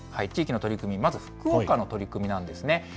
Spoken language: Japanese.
地域の取り組み、まず福岡の取り組みなんですね。